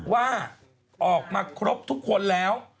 ว่าออกมาครบทุกคนแล้ว